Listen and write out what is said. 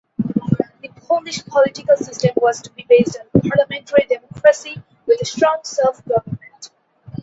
The Polish political system was to be based on parliamentary democracy, with strong self-government.